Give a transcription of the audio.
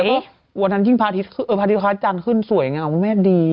แล้วก็วันนั้นยิ่งพระอาจารย์ขึ้นสวยอย่างเงี้ย